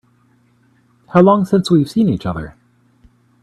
How long since we've seen each other?